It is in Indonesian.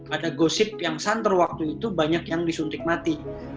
ada gosip yang santer waktu itu banyak yang disuntik mati